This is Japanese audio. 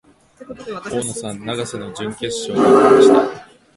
大野さん、永瀬の準決勝が来ました。